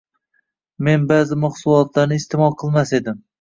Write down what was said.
Men ba’zi mahsulotlarni iste’mol qilmas edim